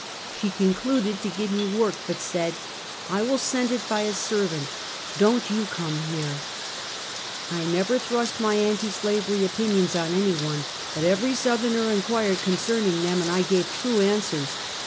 Kentucky Contempt foe Labok. 61 She concluded to give me work, but said: " I will send it by a servant. Don't you come here." I never thrust my anti slavery opinions on any one, but every Southerner inquired concerning them, and I gave true answers.